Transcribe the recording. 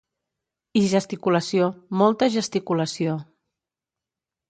I gesticulació, molta gesticulació.